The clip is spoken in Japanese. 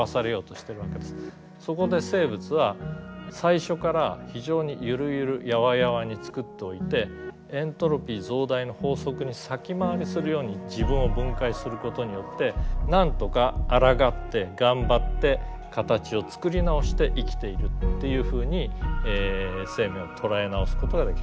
そこで生物は最初から非常にゆるゆるやわやわに作っておいてエントロピー増大の法則に先回りするように自分を分解することによってなんとかあらがって頑張って形を作り直して生きているっていうふうに生命を捉え直すことができる。